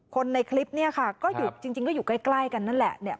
คนในคลิปเนี่ยค่ะก็อยู่จริงก็อยู่ใกล้กันนั่นแหละเนี่ย